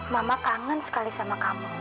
mama kangen sekali sama kamu